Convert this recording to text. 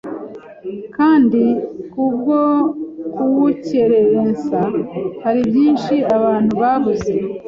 kandi kubwo kuwukerensa, hari byinshi abantu babuze